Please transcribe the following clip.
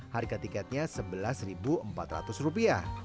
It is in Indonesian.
harga tiketnya rp sebelas empat ratus